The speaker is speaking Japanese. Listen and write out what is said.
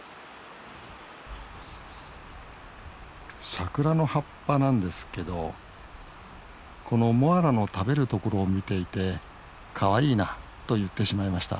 サクラの葉っぱなんですけどこのモアラの食べるところを見ていて「かわいいな」と言ってしまいました。